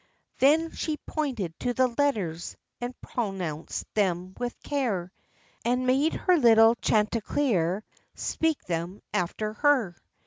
Then she pointed to the letters, and pronounced them with care, And made her little Chanticleer speak them after her.